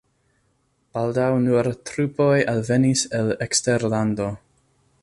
Baldaŭ nur trupoj alvenis el eksterlando.